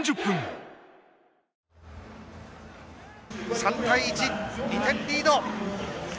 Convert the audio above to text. ３対１、２点リード。